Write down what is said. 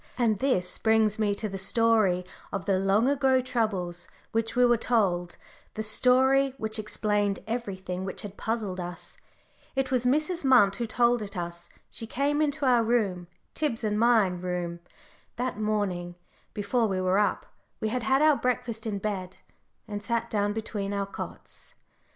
And this brings me to the story of the long ago troubles which we were told the story which explained everything which had puzzled us. It was Mrs. Munt who told it us. She came into our room Tib's and my room that morning before we were up we had had our breakfast in bed and sat down between our cots.